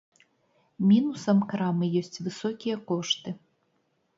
Мінусам крамы ёсць высокія кошты.